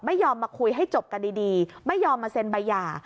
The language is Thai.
ไม่ยอมมาคุยให้จบกันดีไม่ยอมมาเซ็นใบหย่า